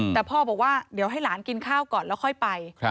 แต่พ่อบอกว่าเดี๋ยวให้หลานกินข้าวก่อนแล้วค่อยไป